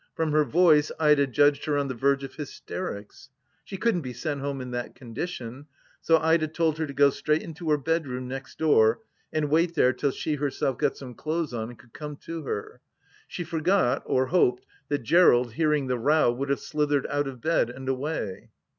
From her voice Ida judged her on the verge of hysterics. She couldn't be sent home in that condition, so Ida told her to go straight into her bedroom next door and wait there till she herself got some clothes on and could come to her. She forgot, or hoped, that Gerald, hearing the row, would have slithered out of bed, and away.